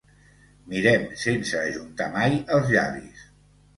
Mirem sense ajuntar mai els llavis.